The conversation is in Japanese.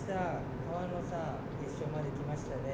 川野さん、決勝までいきましたね。